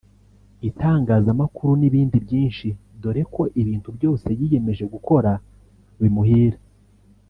itangazamakuru n’ibindi byinshi dore ko ibintu byose yiyemeje gukora bimuhira